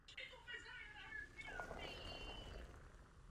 Do budoucna chceme, aby to bylo objektivní.